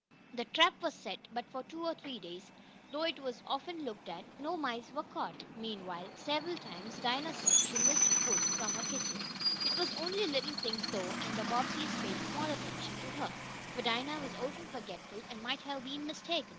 The trap was set, but for two or three days, though it was often looked at, no mice were caught. Meanwhile, several times, Dinah said she missed food from her kitchen. It was only little things, though, and the Bobbseys paid small attention to her, for Dinah was often forgetful, and might have been mistaken.